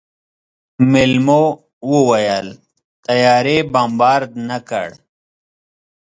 مېلمو وويل طيارې بمبارد نه کړ.